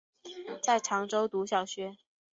在常州读小学。